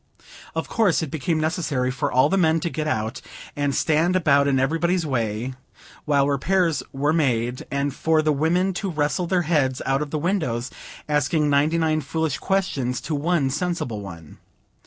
Of course, it became necessary for all the men to get out, and stand about in everybody's way, while repairs were made; and for the women to wrestle their heads out of the windows, asking ninety nine foolish questions to one sensible one.